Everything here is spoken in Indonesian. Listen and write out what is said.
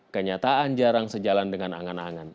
kenyataan jarang sejalan dengan angan angan